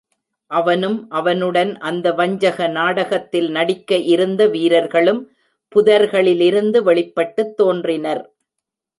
அவனும் அவனுடன் அந்த வஞ்சக நாடகத்தில் நடிக்க இருந்த வீரர்களும் புதர்களிலிருந்து வெளிப்பட்டுத் தோன்றினர்.